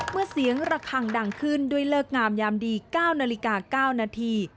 เมื่อเสียงระคังดังขึ้นด้วยเลิกงามยามดี๙นาฬิกา๙นาที